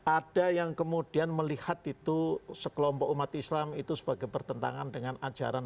ada yang kemudian melihat itu sekelompok umat islam itu sebagai bertentangan dengan ajaran